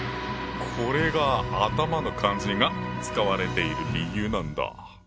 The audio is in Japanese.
これが「頭」の漢字が使われている理由なんだ。